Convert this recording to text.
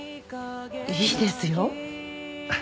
いいですよ。